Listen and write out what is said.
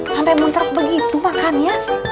sampai muncrat begitu makannya